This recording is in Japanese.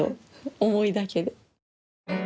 重いだけで。